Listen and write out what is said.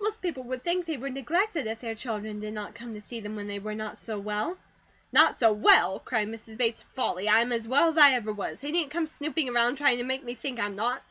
Most people would think they were neglected, if their children did NOT come to see them when they were not so well." "Not so well!" cried Mrs. Bates. "Folly! I am as well as I ever was. They needn't come snooping around, trying to make me think I'm not.